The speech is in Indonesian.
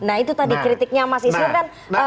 nah itu tadi kritiknya mas isnur kan